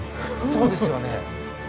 そうですよね。